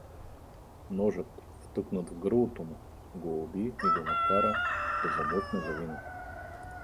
Ножът, втъкнат в гърлото му, го доуби и го накара да замлъкне завинаги.